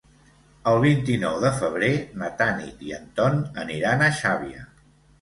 El vint-i-nou de febrer na Tanit i en Ton aniran a Xàbia.